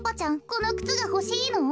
このくつがほしいの？